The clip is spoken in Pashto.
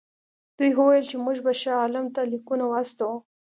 دوی وویل چې موږ به شاه عالم ته لیکونه واستوو.